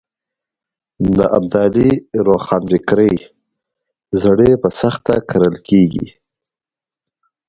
د ابتدايي روښانفکرۍ زړي په سخته کرل کېږي.